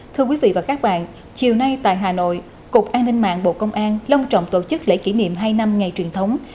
thưa quý vị và các bạn chiều nay tại hà nội cục an ninh mạng bộ công an long trọng tổ chức lễ kỷ niệm hai năm ngày truyền thống